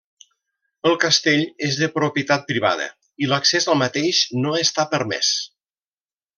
El castell és de propietat privada i l'accés al mateix no està permès.